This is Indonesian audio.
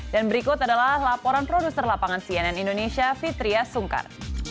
dan berikut adalah laporan produser lapangan cnn indonesia fitria sungkar